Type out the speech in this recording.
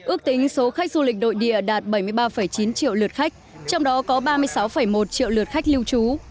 ước tính số khách du lịch nội địa đạt bảy mươi ba chín triệu lượt khách trong đó có ba mươi sáu một triệu lượt khách lưu trú